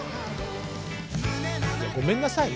ごめんなさいね